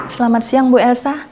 selamat siang bu elsa